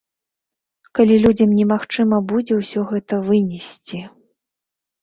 Калі людзям немагчыма будзе ўсё гэта вынесці.